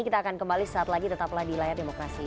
kita akan kembali saat lagi tetaplah di layar demokrasi